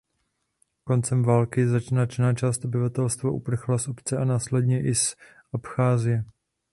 Koncem války značná část obyvatelstva uprchla z obce a následně i z Abcházie.